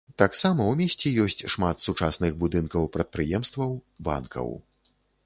Таксама ў месце ёсць шмат сучасных будынкаў прадпрыемстваў, банкаў.